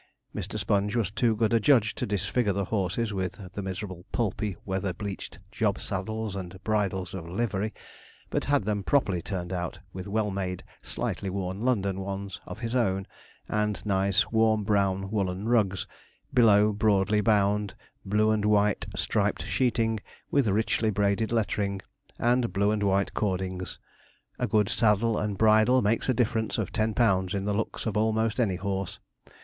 Mr. Sponge was too good a judge to disfigure the horses with the miserable, pulpy, weather bleached job saddles and bridles of 'livery,' but had them properly turned out with well made, slightly worn London ones of his own, and nice, warm brown woollen rugs, below broadly bound, blue and white striped sheeting, with richly braided lettering, and blue and white cordings. A good saddle and bridle makes a difference of ten pounds in the looks of almost any horse.